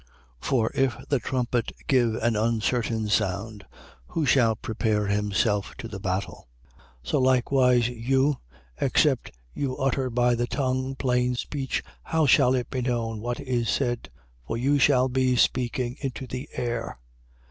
14:8. For if the trumpet give an uncertain sound, who shall prepare himself to the battle? 14:9. So likewise you, except you utter by the tongue plain speech, how shall it be known what is said? For you shall be speaking into the air.